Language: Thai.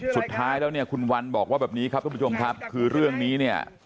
สุดท้ายแล้วเนี่ยคุณวันบอกว่าแบบนี้ครับทุกผู้ชมครับคือเรื่องนี้เนี่ย